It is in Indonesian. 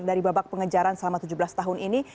dari babak pengejaran selama tujuh belas tahun ini